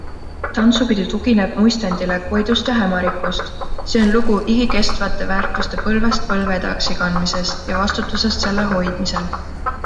Tantsupidu tugineb muistendile Koidust ja Hämarikust, See on lugu igikestvate väärtuste põlvest-põlve edasikandmisest ja vastutusest selle hoidmisel.